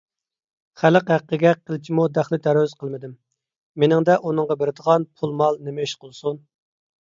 خەلق ھەققىگە قىلچىمۇ دەخلى - تەرۇز قىلمىدىم، مېنىڭدە ئۇنىڭغا بېرىدىغان پۇل - مال نېمە ئىش قىلسۇن؟